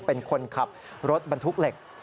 เป็นคนขับรถบรรทุกเหล็ก